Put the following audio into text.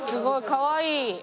かわいい！